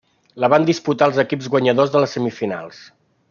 La van disputar els equips guanyadors de les semifinals.